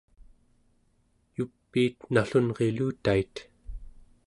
yupiit nallunrilutait